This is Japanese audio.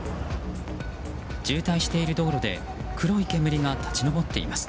渋滞している道路で黒い煙が立ち上っています。